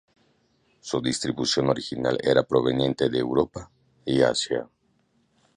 Su distribución original era proveniente de Europa y Asia.